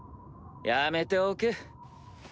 やめておけ。